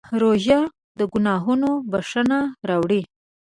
روژه د ګناهونو بښنه راوړي.